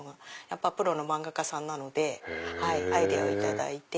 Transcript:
プロの漫画家さんなのでアイデアを頂いて。